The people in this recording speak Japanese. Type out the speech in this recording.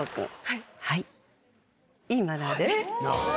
いいマナーです。